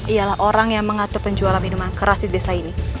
ialah orang yang mengatur penjualan minuman keras di desa ini